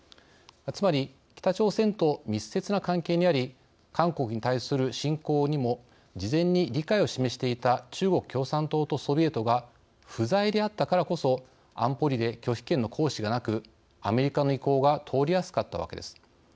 つまり北朝鮮と密接な関係にあり韓国に対する侵攻にも事前に理解を示していた中国共産党とソビエトが不在であったからこそ安保理で拒否権の行使がなくアメリカの意向が通りやすかったわけです。